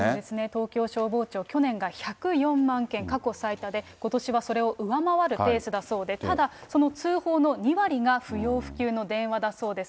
東京消防庁、去年が１０４万件、過去最多で、ことしはそれを上回るペースだそうで、ただ、その通報の２割が不要不急の電話だそうです。